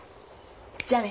じゃあね。